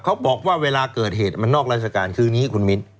เขาบอกว่าเวลาเกิดเหตุมันนอกราชการคืนนี้คุณมิ้น